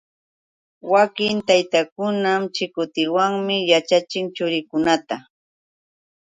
Wakin taytakuna chikutiwanmi yaćhachin churinkunata.